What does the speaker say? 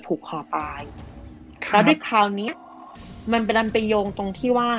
ผูกขอตายครับแล้วที่คราวนี้มันเป็นดันประโยงตรงที่ว่า